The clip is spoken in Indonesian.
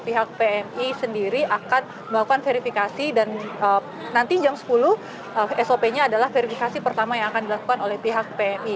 pihak pmi sendiri akan melakukan verifikasi dan nanti jam sepuluh sop nya adalah verifikasi pertama yang akan dilakukan oleh pihak pmi